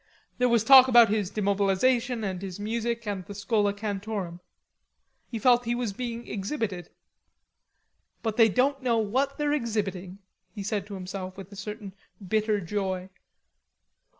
There was talk about his demobilization, and his music, and the Schola Cantorum. He felt he was being exhibited. "But they don't know what they're exhibiting," he said to himself with a certain bitter joy.